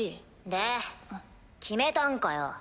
で決めたんかよ？